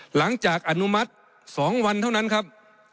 หลังจากอนุมัติ๒วันเท่านั้นครับ